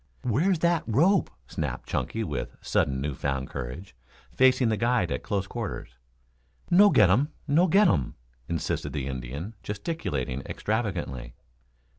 "Where's that rope?" snapped Chunky, with sudden new found courage, facing the guide at close quarters. "No get um! No get um!" insisted the Indian, gesticulating extravagantly.